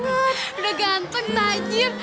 udah ganteng tajir